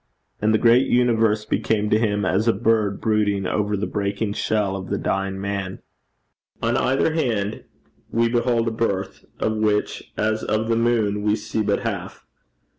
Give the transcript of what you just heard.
And the great universe became to him as a bird brooding over the breaking shell of the dying man. On either hand we behold a birth, of which, as of the moon, we see but half.